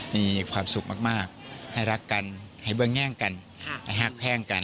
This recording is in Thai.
มีความสุขมากให้รักกันให้เบื้องแย่งกันให้หักแห้งกัน